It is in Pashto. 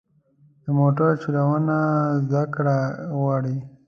د موټر چلوونه زده کړه غواړي.